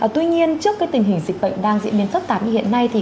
tuy nhiên trước tình hình dịch bệnh đang diễn biến phức tạp như hiện nay